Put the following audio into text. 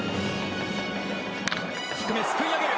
低め、すくい上げる。